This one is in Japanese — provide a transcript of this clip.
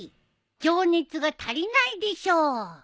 情熱が足りないでしょう。